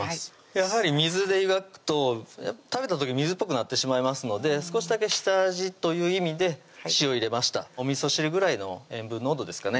やはり水で湯がくと食べた時水っぽくなってしまいますので少しだけ下味という意味で塩入れましたおみそ汁ぐらいの塩分濃度ですかね